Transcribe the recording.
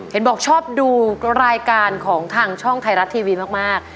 เห็นบอกชอบดูรายการของทางช่องไทยรัฐทีวีมาก